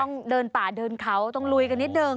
ต้องเดินป่าเดินเขาต้องลุยกันนิดนึง